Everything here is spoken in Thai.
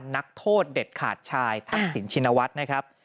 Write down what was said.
นักโทษเด็ดขาดชายทักศิลป์ชินวัฒน์